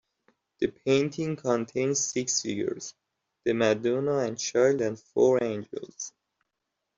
The painting contains six figures: the Madonna and Child and four angels.